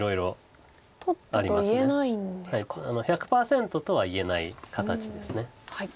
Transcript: １００％とは言えない形です。